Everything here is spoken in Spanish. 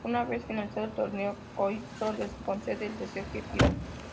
Una vez finalizado el torneo, Calypso les concede el deseo que pidan.